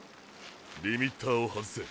リミッターを外せ。